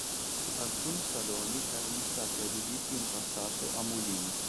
Alcuni saloni erano stati adibiti in passato a mulini.